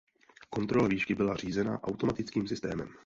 Kontrola výšky byla řízena automatickým systémem.